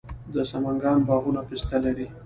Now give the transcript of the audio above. د سمنګان باغونه پسته لري.